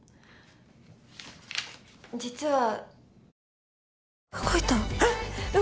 実は。